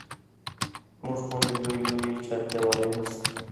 زموږ غوندې لویې لویې چاردیوالۍ نه شته.